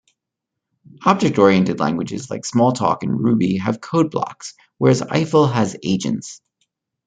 Object-oriented languages like Smalltalk and Ruby have code blocks, whereas Eiffel has agents.